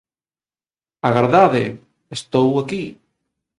Agardade! Estou aquí!